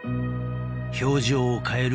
［表情を変える